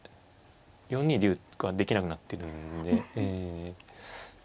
４二竜ができなくなってるんで。